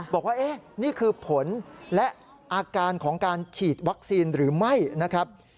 บอกว่านี่คือผลและอาการของการฉีดวัคซีนหรือไม่นะครับ